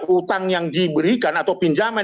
utang yang diberikan atau pinjaman